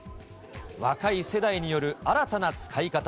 若い世代による新たな使い方。